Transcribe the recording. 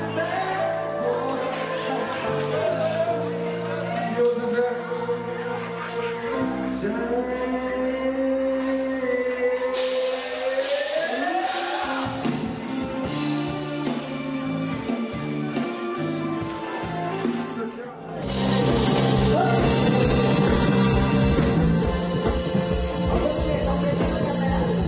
ไม่รู้ว่าชีวิตหลอด